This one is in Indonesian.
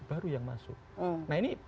baru yang masuk nah ini